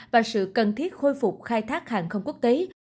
và sự cần thiết khôi phục khai thác hàng không quốc tế